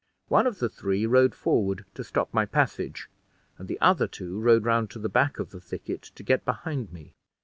One of the three rode forward to stop my passage, and the other two rode round to the back of the thicket to get behind me.